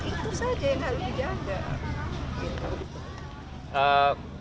itu saja yang harus dijaga